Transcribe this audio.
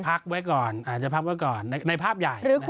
พักไว้ก่อนอาจจะพักไว้ก่อนในภาพใหญ่